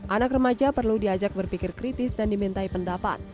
anak remaja perlu diajak berpikir kritis dan dimintai pendapat